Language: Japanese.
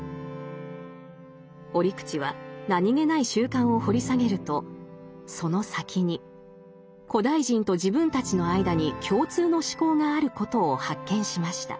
折口は何気ない習慣を掘り下げるとその先に古代人と自分たちの間に共通の思考があることを発見しました。